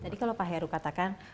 jadi kalau pak heru katakan